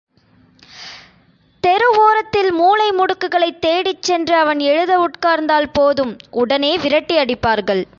தெரு ஓரத்தில் மூலை முடுக்குகளைத் தேடிச் சென்று அவன் எழுத உட்கார்ந்தால் போதும் உடனே விரட்டி அடிப்பார்கள்.